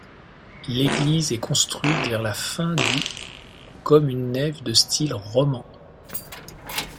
L'église est construite vers la fin du comme une nef de style roman.